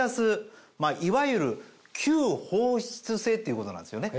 いわゆる。っていうことなんですよね。